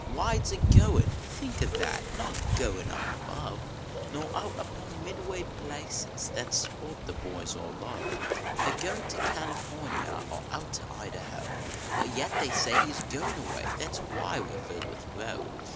Weid agoin ! think o that ! not goin up above, Xor out upon Midway 1 laisance, that spot the boys all love. Or goin to Californy or out to Idaho But yet they say he s goin away ; that s why we re filled with woe.